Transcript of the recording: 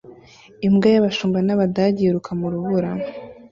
Imbwa y'abashumba b'Abadage yiruka mu rubura